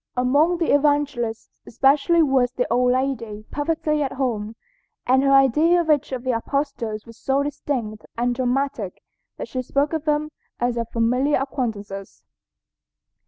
Among the Evangelists especially was the old lady perfectly at home, and her idea of each of the apostles was so distinct and dramatic that she spoke of them as of familiar acquaintances.